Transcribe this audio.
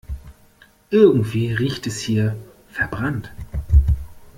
Irgendwie riecht es hier verbrannt.